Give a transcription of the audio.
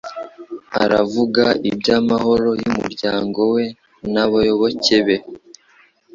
aravuga iby’amahoro y’umuryango we n’abayoboke be